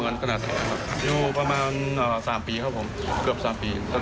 อยู่รถสำมารถมาว่า๓ปีคือเกือบ๓ปี